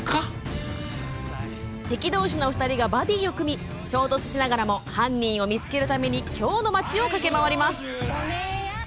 敵どうしの２人がバディーを組み衝突しながらも犯人を見つけるために京の町を駆け回ります。